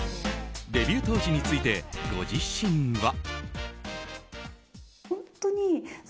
デビュー当時についてご自身は。